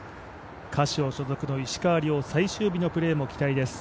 カシオ所属の石川遼最終日のプレーも期待です。